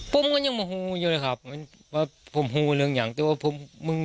บอกว่าเขาหูอยู่นะครับว่าผมหูเรื่องอย่างแต่ว่าผมมึง